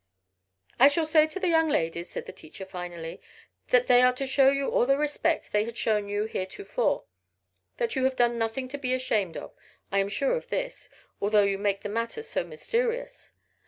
"I shall say to the young ladies," said the teacher, finally, "that they are to show you all the respect they had shown you heretofore. That you have done nothing to be ashamed of I am sure of this, although you make the matter so mysterious.